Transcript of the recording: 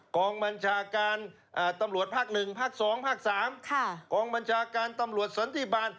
กองบัญชาการตำรวจภาค๑ภาค๒ภาค๓กองบัญชาการตำรวจสนทิบาล